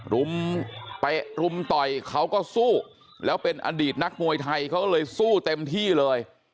รุมไปรุมต่อยเขาก็สู้แล้วเป็นอดีตนักมวยไทยเขาก็เลยสู้เต็มที่เลย